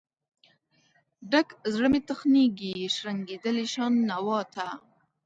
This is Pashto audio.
ډک زړه مې تخنیږي، شرنګیدلې شان نوا ته